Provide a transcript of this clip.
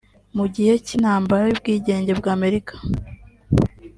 Mu gihe cy’intambara y’ubwigenge bwa Amerika